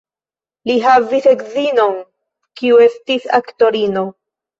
Li havis edzinon, kiu estis aktorino.